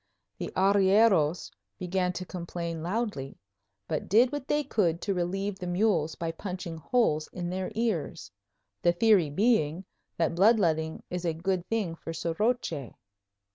The arrieros began to complain loudly, but did what they could to relieve the mules by punching holes in their ears; the theory being that bloodletting is a good thing for soroche.